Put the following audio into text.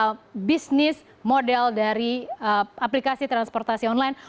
bagaimana bisnis model dari aplikasi transportasi online